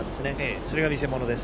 それが見せ物です。